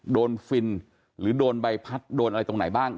ฟินหรือโดนใบพัดโดนอะไรตรงไหนบ้าง